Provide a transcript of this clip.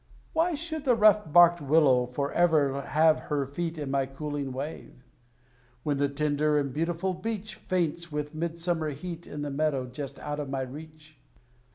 Why should the rough barked Willow for ever lave Her feet in my cooling wave; When the tender and beautiful Beech Faints with midsummer heat in the meadow just out of my reach?